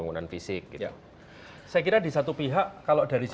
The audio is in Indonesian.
karena waktu itu jokowi itu cukup besar dicycles ngejokowi nya